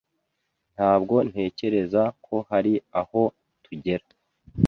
Ntabwo ntekereza ko hari aho tugera.